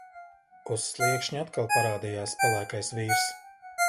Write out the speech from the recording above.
Uz sliekšņa atkal parādījās pelēkais vīrs.